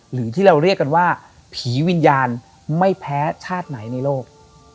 หรือที่เราเรียกกันว่าผีวิญญาณไม่แพ้ชาติไหนในโลก